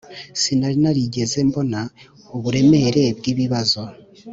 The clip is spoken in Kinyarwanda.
sinari narigeze mbona uburemere bwibibazo.